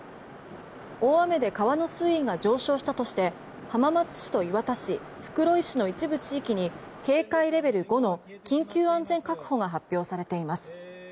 大雨で川の水位が上昇したとして浜松市と磐田市、袋井市の一部地域に警戒レベル５の緊急安全確保が発表されています。